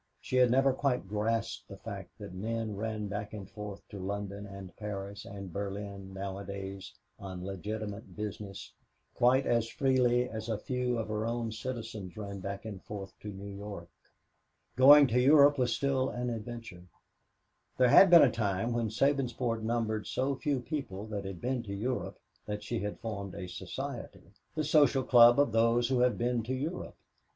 She had never quite grasped the fact that men ran back and forth to London and Paris and Berlin now a days on legitimate business quite as freely as a few of her own citizens ran back and forth to New York. Going to Europe was still an adventure. There had been a time when Sabinsport numbered so few people that had been to Europe that she had formed a society, "The Social Club of Those Who Have Been to Europe."